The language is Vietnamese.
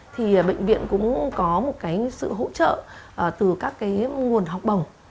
thì bệnh viện cũng có một sự hỗ trợ từ các nguồn học bổng